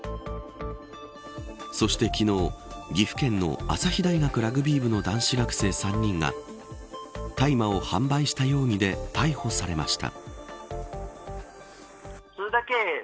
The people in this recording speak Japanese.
そして昨日、岐阜県の朝日大学ラグビー部の男子学生３人が大麻を販売した容疑で逮捕されました。